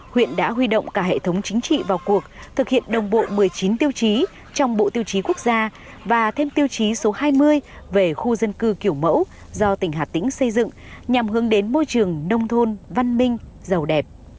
huyện đã huy động cả hệ thống chính trị vào cuộc thực hiện đồng bộ một mươi chín tiêu chí trong bộ tiêu chí quốc gia và thêm tiêu chí số hai mươi về khu dân cư kiểu mẫu do tỉnh hà tĩnh xây dựng nhằm hướng đến môi trường nông thôn văn minh giàu đẹp